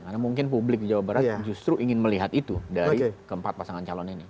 karena mungkin publik di jawa barat justru ingin melihat itu dari keempat pasangan calon ini